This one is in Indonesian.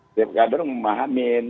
setiap kader memahamin